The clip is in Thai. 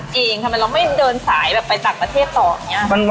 จริงทำไมเราไม่เดินสายแบบไปต่างประเทศต่ออย่างนี้